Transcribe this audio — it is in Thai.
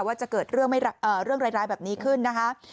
ว่าจะเกิดเรื่องร้ายแบบนี้ขึ้นนะคะ